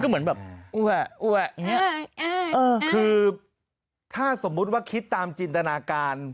คือถ้าสมมุติว่าคิดตามจิตนาการ